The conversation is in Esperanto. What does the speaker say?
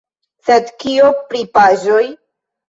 Sed kio pri paĝoj?